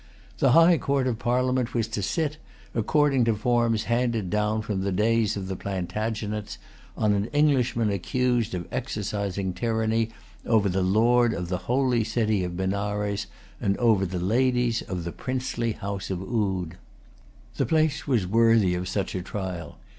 The High[Pg 223] Court of Parliament was to sit, according to forms handed down from the days of the Plantagenets, on an Englishman accused of exercising tyranny over the lord of the holy city of Benares, and over the ladies of the princely House of Oude. The place was worthy of such a trial.